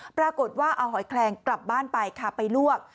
ปรากฏว่าเอาหอยแคลงกลับบ้านไปค่ะไปลวก